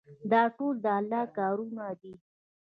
دا ټول د الله کارونه دي.